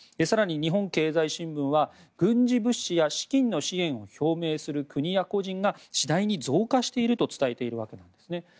更に日本経済新聞は軍事物資や資金の支援を表明する国や個人が次第に増加していると伝えているわけですね。